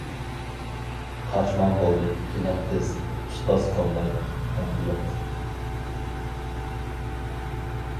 قاچماڭ بولدى كېلىڭ تىز، ئۇستاز قىلماي پەندىيات.